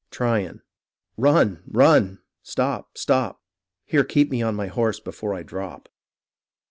Tryon Run, run ; stop, stop ; Here keep me on my horse before I drop.